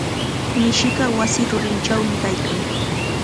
Mishiqa wasi rurinchawmi kaykan.